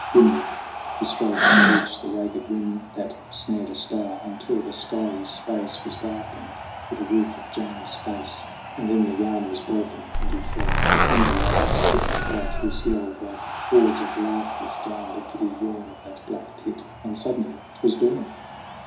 Grimly he strove to reach the ragged rim That snared a star, until the skyey space Was darkened with a roof of Jamie's face, 56 SONG OF HUGH GLASS And then the yarn was broken, and he fell. A tumble like a stricken bat, his yell Woke hordes of laughers down the giddy yawn Of that black pit and suddenly 'twas dawn.